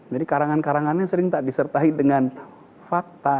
jadi karangan karangannya sering tak disertai dengan fakta